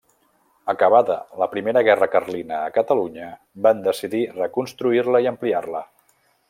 Acabada la Primera Guerra Carlina a Catalunya, van decidir reconstruir-la i ampliar-la.